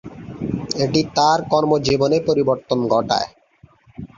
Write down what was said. এটি তার কর্মজীবনে পরিবর্তন ঘটায়।